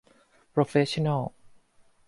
โปรเฟสชั่นแนล